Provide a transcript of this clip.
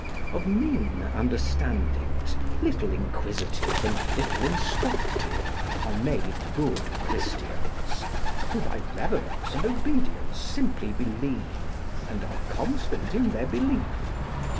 Of mean understandings, little inquisitive, and little instructed, are made good Christians, who by reverence and obedience simply believe and are constant in their belief.